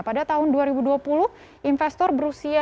pada tahun dua ribu dua puluh investor berusia